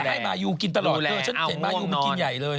นี่แหละให้บายูกินตลอดเดี๋ยวฉันเห็นบายูมันกินใหญ่เลย